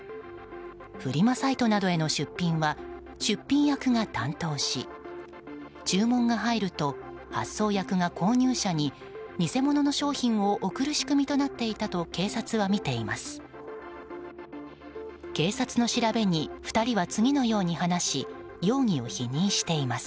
フリマサイトなどへの出品は出品役が担当し注文が入ると発送役が購入者に偽物の商品を送る仕組みとなっていたと警察はみています。